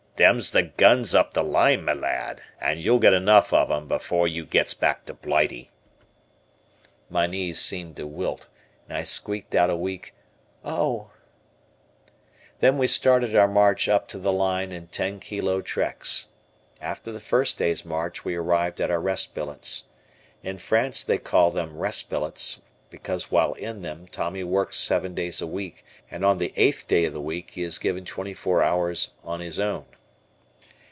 "Them's the guns up the line, me lad, and you'll get enough of 'em before you gets back to Blighty." My knees seemed to wilt, and I squeaked out a weak "Oh!" Then we started our march up to the line in ten kilo treks. After the first day's march we arrived at our rest billets. In France they call them rest billets, because while in them, Tommy works seven days a week and on the eighth day of the week he is given twenty four hours "on his own."